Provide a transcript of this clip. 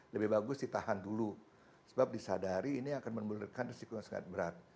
lebih bagus ditahan dulu sebab disadari ini akan menimbulkan risiko yang sangat berat